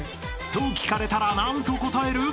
［と聞かれたら何と答える？］